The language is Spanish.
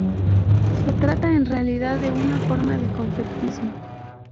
Se trata en realidad de una forma de conceptismo.